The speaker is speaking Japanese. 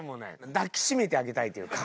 抱きしめてあげたいっていうか。